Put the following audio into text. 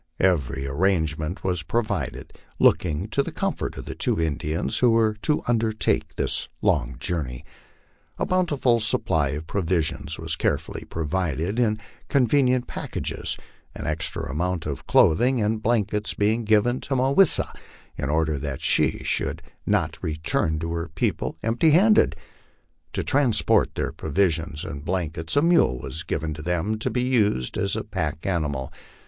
Every arrangement was provided, looking to the comfort of the two Indians who were to undertake this long journey. A bountiful supply of provisions was carefully provided in convenient packages, an extra amount of clothing and blankets being given to Mah wis sa in order that she should not return to her people empty handed. To transport their provisions and blankets a mule was given them to be used as a pack animal.